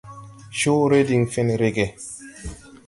Coore diŋ fen rege.